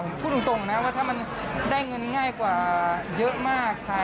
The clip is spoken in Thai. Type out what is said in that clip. ผมพูดตรงนะว่าถ้ามันได้เงินง่ายกว่าเยอะมาก